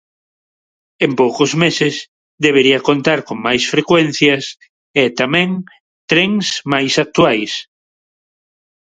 En poucos meses, debería contar con máis frecuencias e tamén trens máis actuais.